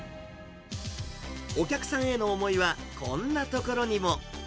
お客さんへの思いは、こんなところにも。